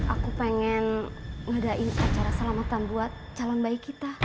aku pengen ngadain acara selamatan buat calon bayi kita